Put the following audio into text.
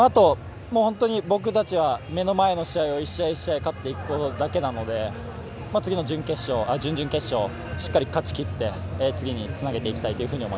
僕たちは目の前の試合を１試合１試合、勝っていくことだけなので、次の準決勝、準々決勝、しっかり勝ち切って次につなげていきたい